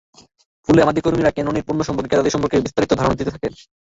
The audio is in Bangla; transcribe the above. ফলে আমাদের কর্মীরা ক্যাননের পণ্য সম্পর্কে ক্রেতাদের বিস্তারিত ধারণা দিতে পারবেন।